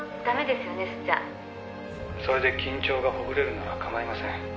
「それで緊張がほぐれるなら構いません」